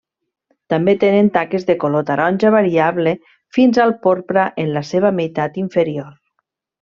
També tenen taques de color taronja variable fins al porpra en la seva meitat inferior.